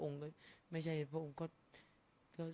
สงฆาตเจริญสงฆาตเจริญ